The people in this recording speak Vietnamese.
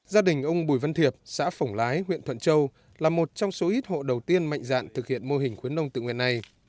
gia đình ông bùi văn thiệp xã phổng lái huyện thuận châu là một trong số ít hộ đầu tiên mạnh dạn thực hiện mô hình khuyến nông tự nguyện này